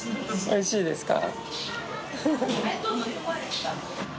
おいしいですか？